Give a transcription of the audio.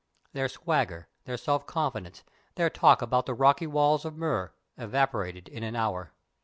Their swagger, their self confidence, their talk about the "rocky walls of Mur," evaporated in an hour.